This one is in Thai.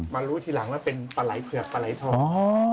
มารู้ทีหลังว่าเป็นปลายเผือกปลายทอง